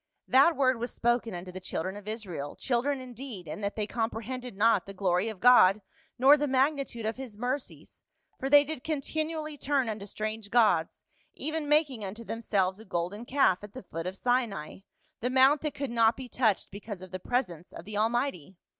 " That word was spoken unto the Children of Israel, children indeed, in that they comprehended not the glory of God nor the magnitude of his mercies, for they did continually turn unto strange gods, even making unto themselves a golden calf at the foot of Sinai, the mount that could not be touched because of the presence of the Almighty.